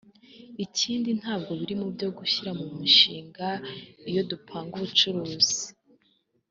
ikindi ntabwo biri mu byo dushyira mu mishinga iyo dupanga ubucuruzi